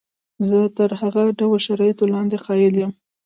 زه تر هر ډول شرایطو لاندې قایل یم.